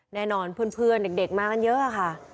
แน่นอนเพื่อนเด็กมากันเยอะค่ะ